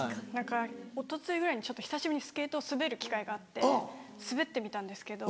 一昨日ぐらいに久しぶりにスケートを滑る機会があって滑ってみたんですけど。